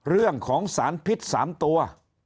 เรื่องของสารพิษ๓ตัว